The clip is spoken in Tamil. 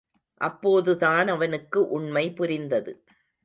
அப்போதுதான் அவனுக்கு உண்மை புரிந்தது.